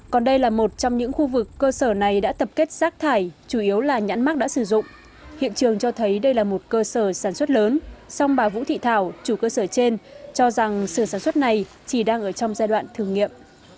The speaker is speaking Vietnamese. còn đây là một trong những khu vực cơ sở này đã tập kết rác thải chủ yếu là nhãn mắc đã sử dụng hiện trường cho thấy đây là một cơ sở sản xuất lớn song bà vũ thị thảo chủ cơ sở trên cho rằng sườn sản xuất này chỉ đang ở trong giai đoạn thử nghiệm